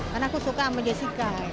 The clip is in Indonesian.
karena aku suka sama jessica